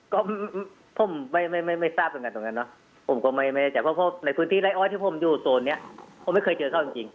ก็ผมไม่ทราบตรงนั้นเนอะผมก็ไม่เจอเพราะในพื้นที่ไลฟ์ออยที่ผมอยู่โซนนี้ผมไม่เคยเจอเขาจริง